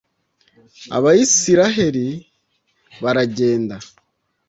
abayisraheli baragenda